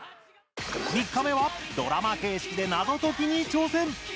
３日目はドラマ形式で謎解きに挑戦。